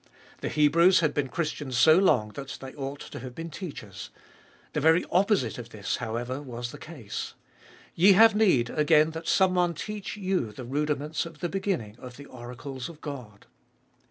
The Hebrews had been Christians so long that they ought to have been teachers. The very opposite of this, however, was the case. Ye have need again that some one teach you the rudiments of the beginning of the oracles of God.